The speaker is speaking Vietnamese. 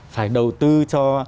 phải đầu tư cho